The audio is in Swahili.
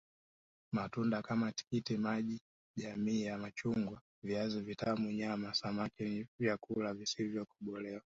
Matunda kama tikiti maji jamii ya machungwa viazi vitamu nyanya samaki na vyakula visivyokobolewa